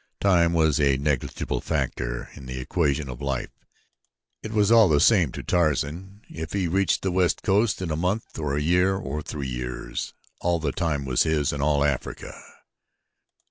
Time was a negligible factor in the equation of life it was all the same to Tarzan if he reached the west coast in a month or a year or three years. All time was his and all Africa.